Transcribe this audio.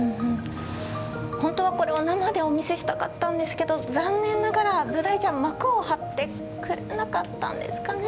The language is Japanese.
本当はこれは生でお見せしたかったんですけど残念ながらブダイちゃん膜を張ってくれなかったんですかね。